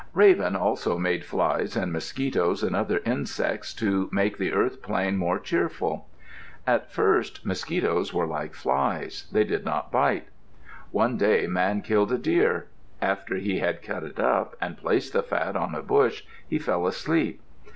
Raven also made flies and mosquitoes and other insects to make the earth plain more cheerful. At first mosquitoes were like flies; they did not bite. One day Man killed a deer. After he had cut it up and placed the fat on a bush, he fell asleep.